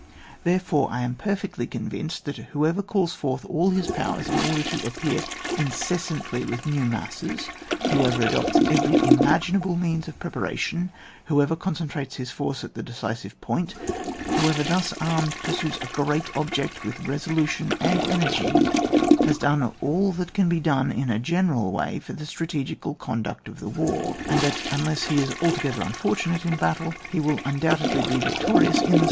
Therefore I am perfectly convinced : that whoever calls forth all his powers in order to ap pear incessantly with new masses, who ever adopts every imaginable means of preparation, whoever concentrates his force at the decisive point, whoever thus armed pursues a great object with reso lution and energy, has done all that can be done in a general way for the stra tegical conduct of the war, and that unless he is altogether unfortimate in battle, he will undoubtedly be victorious in the 112 ON WAR.